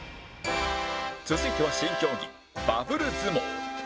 続いては新競技バブル相撲